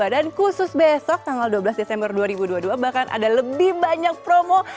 dan khusus besok tanggal dua belas desember dua ribu dua puluh dua bahkan ada lebih banyak promo